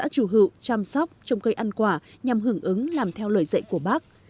chủ hữu chăm sóc trồng cây ăn quả nhằm hưởng ứng làm theo lời dạy của bác